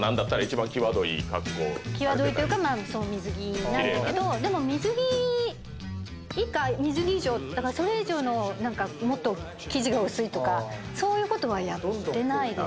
際どいというかまあ水着なんだけどでも水着以下水着以上だからそれ以上の何かもっと生地が薄いとかそういうことはやってないです。